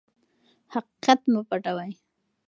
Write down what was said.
حقیقت مه پټوئ.